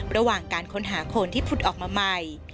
ระหว่างการค้นหาโคนที่ผุดออกมาใหม่